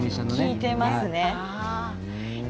聴いていますね。